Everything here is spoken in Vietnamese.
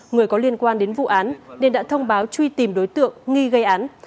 người có liên quan đến vụ án nên đã thông báo truy tìm đối tượng nghi gây án